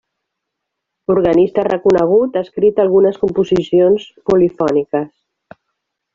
Organista reconegut, ha escrit algunes composicions polifòniques.